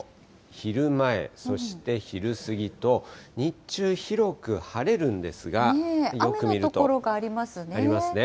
昼前、そして昼過ぎと、日中、広雨の所がありますね。ありますね。